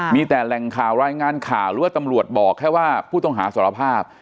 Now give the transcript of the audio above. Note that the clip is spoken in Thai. มีแต่แหล่งข่าวรายงานข่าวหรือว่าตำรวจบอกแค่ว่าผู้ต้องหาสารภาพ